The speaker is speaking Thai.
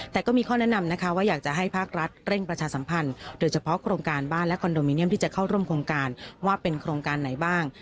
แต่ก็มีข้อแนะนำนะคะว่าอยากจะให้ภาครัฐเร่งประชาสัมพันธ์โดยเฉพาะโครงการบ้านและคอนโดมิเนียมที่จะเข้าร่วมโครงการว่าเป็นโครงการไหนบ้าง